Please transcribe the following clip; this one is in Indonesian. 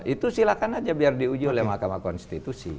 itu silakan aja biar diuji oleh mahkamah konstitusi